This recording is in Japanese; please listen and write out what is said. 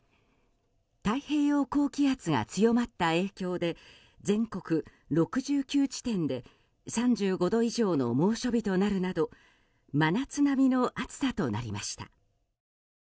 太平洋高気圧が強まった影響で全国６９地点で３５度以上の猛暑日となるなど真夏並みの暑さとなりました。